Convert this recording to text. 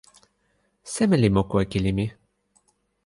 seme li moku e kili mi?